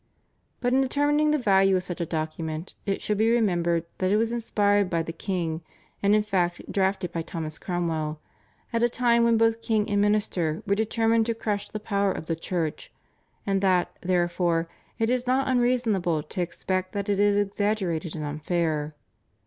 But in determining the value of such a document it should be remembered that it was inspired by the king, and in fact drafted by Thomas Cromwell, at a time when both king and minister were determined to crush the power of the Church, and that, therefore, it is not unreasonable to expect that it is exaggerated and unfair.